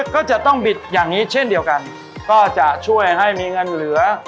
ก็จะต้องบิดอย่างนี้เช่นเดียวกันก็จะช่วยให้มีเงินเหลือ